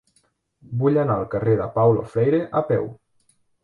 Vull anar al carrer de Paulo Freire a peu.